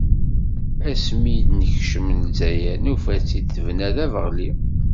Ass mi d-nekcem lezzayer, nufa-tt-id tebna d abeɣli.